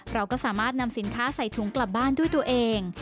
เราก็สามารถนำสินค้าใส่ถุงกลับบ้านด้วยตัวเอง